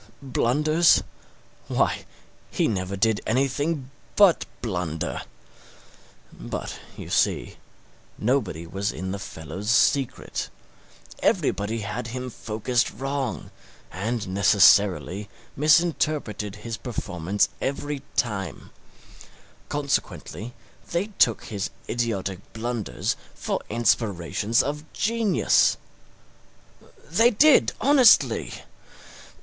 Blunders? why, he never did anything but blunder. But, you see, nobody was in the fellow's secret everybody had him focused wrong, and necessarily misinterpreted his performance every time consequently they took his idiotic blunders for inspirations of genius; they did honestly!